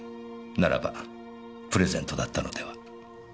ならばプレゼントだったのでは？